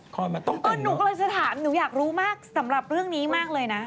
ก็นุก็เลยอยากรู้มากสำหรับเรื่องนี้มากเลยนะ